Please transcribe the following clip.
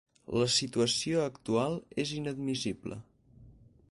La situació actual és inadmissible.